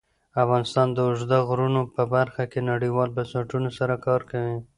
افغانستان د اوږده غرونه په برخه کې نړیوالو بنسټونو سره کار کوي.